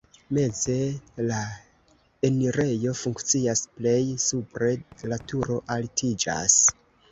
Meze la enirejo funkcias, plej supre la turo altiĝas.